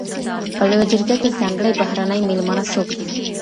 په لویه جرګه کي ځانګړي بهرني مېلمانه څوک دي؟